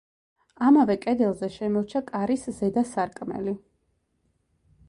ამავე კედელზე შემორჩა კარის ზედა სარკმელი.